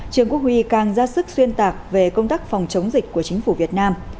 trương quốc huy càng ra sức xuyên tạc về công tác phòng chống dịch của chính phủ việt nam